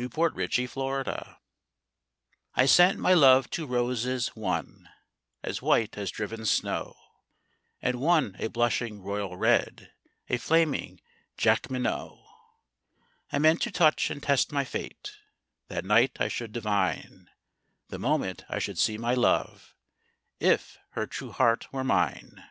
The White Flag I sent my love two roses, one As white as driven snow, And one a blushing royal red, A flaming Jacqueminot. I meant to touch and test my fate; That night I should divine, The moment I should see my love, If her true heart were mine.